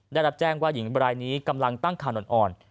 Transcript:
ได้รับแจ้งว่าหญิงบรายนี้กำลังตั้งคันอ่อน